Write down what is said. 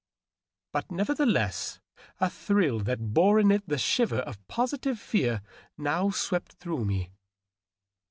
But nevertheless a thrill that bore in it the shiver of positive fear now swept through me.